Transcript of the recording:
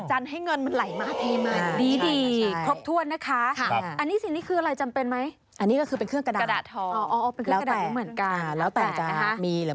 อ๋อเอามาอาบแสงจันทร์ให้เงินมันไหลมากทีมาก